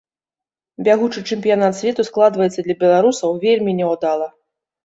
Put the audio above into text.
Бягучы чэмпіянат свету складваецца для беларусаў вельмі няўдала.